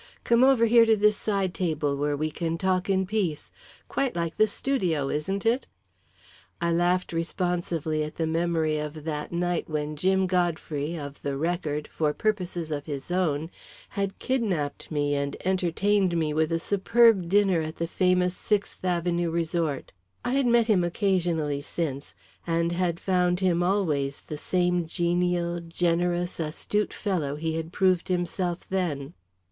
Come over here to this side table where we can talk in peace. Quite like the Studio, isn't it?" I laughed responsively at the memory of that night when Jim Godfrey, of the Record, for purposes of his own, had kidnapped me and entertained me with a superb dinner at the famous Sixth Avenue resort. I had met him occasionally since, and had found him always the same genial, generous, astute fellow he had proved himself then.